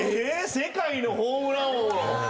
世界のホームラン王の。